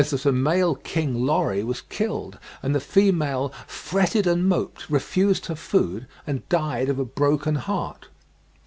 56) that a male King Lory was killed; and the female "fretted and moped, refused her food, and died of a broken heart.")